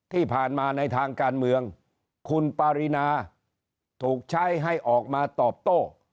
ที่ผ่านมาในทางการเมืองคุณปารีนาถูกใช้ให้ออกมาตอบโต้